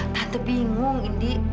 tante bingung indi